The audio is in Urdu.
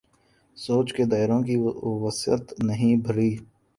سوچ کے دائروں کی وسعت نہیں بڑھی۔